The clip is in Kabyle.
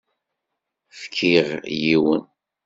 Fkiɣ yiwen.